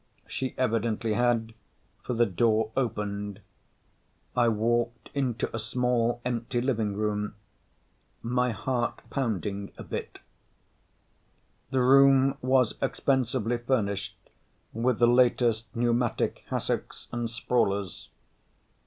She evidently had, for the door opened. I walked into a small empty living room, my heart pounding a bit. The room was expensively furnished with the latest pneumatic hassocks and sprawlers.